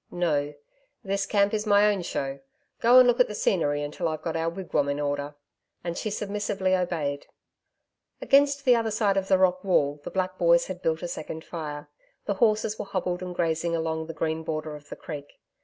'No, this camp is my own show. Go and look at the scenery until I've got our wigwam in order.' And she submissively obeyed. Against the other side of the rock wall, the black boys had built a second fire. The horses were hobbled and grazing along the green border of the creek.